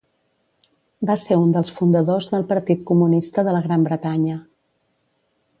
Va ser un dels fundadors del Partit Comunista de la Gran Bretanya.